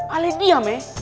alet diam ya